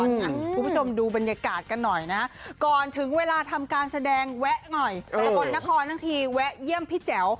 คุณผู้ชมดูบรรยากาศกันหน่อยนะก่อนถึงเวลาทำการแสดงแวะหน่อยสกลนครทั้งทีแวะเยี่ยมพี่แจ๋ว